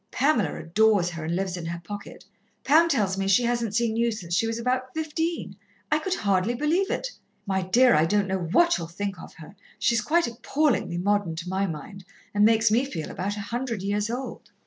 "Pamela adores her, and lives in her pocket. Pam tells me she hasn't seen you since she was about fifteen I could hardly believe it. My dear, I don't know what you'll think of her! She's quite appallingly modern, to my mind, and makes me feel about a hundred years old.